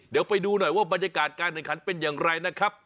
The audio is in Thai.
เดี๋ยวไปดูหน่อยว่าบรรยากาศการแข่งขันเป็นอย่างไรนะครับ